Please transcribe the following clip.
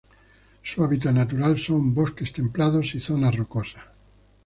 Su hábitat natural son: bosques templados y zonas rocosas.